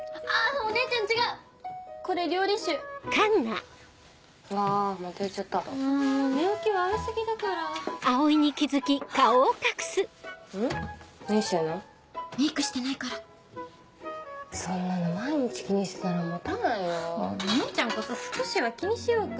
お姉ちゃんこそ少しは気にしようか。